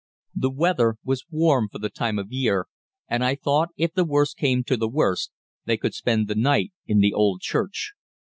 The weather was warm for the time of the year, and I thought, if the worst came to the worst, they could spend the night in the old church.